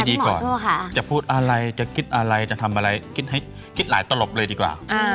ดีก่อนจะพูดอะไรจะคิดอะไรจะทำอะไรคิดให้คิดหลายตลบเลยดีกว่า